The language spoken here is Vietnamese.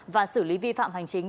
và xử lý vi phạm hành chính